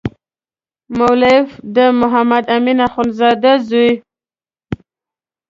مؤلف د محمد امین اخندزاده زوی.